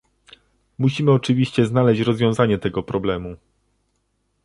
Musimy oczywiście znaleźć rozwiązanie tego problemu